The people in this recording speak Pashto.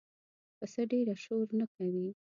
پسه ډېره شور نه کوي.